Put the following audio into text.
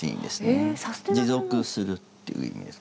「持続する」っていう意味です。